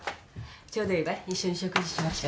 ちょうどいいわ一緒に食事しましょう。